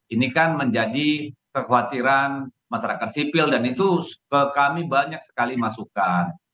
ini kan menjadi kekhawatiran masyarakat sipil dan itu kami banyak sekali masukan